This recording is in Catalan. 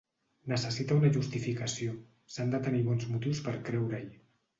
Necessita una justificació: s'han de tenir bons motius per creure-hi.